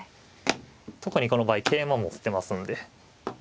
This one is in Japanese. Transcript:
特にこの場合桂馬も捨てますんで。